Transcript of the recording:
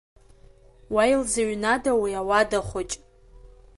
Уа илзыҩнада уи ауада хәыҷ?